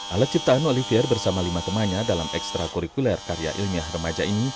alat ciptaan olivier bersama lima temannya dalam ekstra kurikuler karya ilmiah remaja ini